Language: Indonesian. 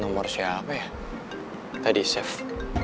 nomor siapa ya tadi save